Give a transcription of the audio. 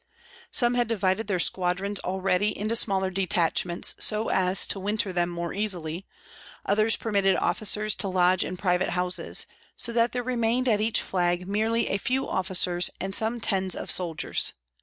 Some had divided their squadrons already into smaller detachments, so as to winter them more easily; others permitted officers to lodge in private houses, so that there remained at each flag merely a few officers and some tens of soldiers.